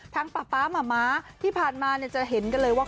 ป๊าป๊าหมาม้าที่ผ่านมาจะเห็นกันเลยว่า